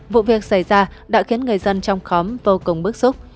vụ việc xảy ra đã khiến người dân trong khóm vô cùng bức xúc